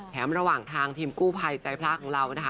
ระหว่างทางทีมกู้ภัยใจพระของเรานะคะ